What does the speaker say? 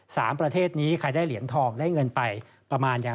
ประเทศนี้ใครได้เหรียญทองได้เงินไปประมาณอย่าง